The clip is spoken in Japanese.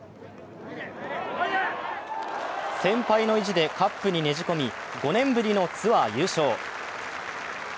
先輩の意地でカップにねじ込み、５年ぶりのツアー優勝。